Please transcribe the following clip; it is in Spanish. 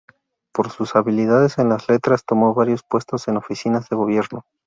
Por sus habilidades en las letras, tomó varios puestos en oficinas de gobierno.